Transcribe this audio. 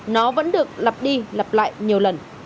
nó vẫn được lặp đi lặp lại nhiều lần